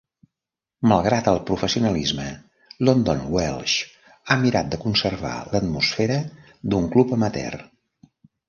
Malgrat el professionalisme, London Welsh ha mirat de conservar l'atmosfera d'un club amateur.